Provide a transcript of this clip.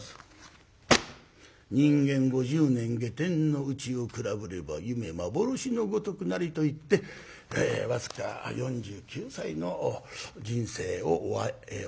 人間五十年下天の内をくらぶれば夢幻のごとくなり」と言って僅か４９歳の人生を終えてしまうわけなんですね。